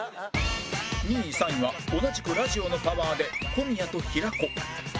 ２位３位は同じくラジオのパワーで小宮と平子